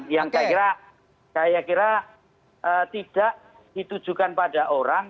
yang saya kira tidak ditujukan pada orang